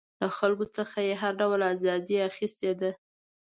له خلکو څخه یې هر ډول ازادي اخیستې ده.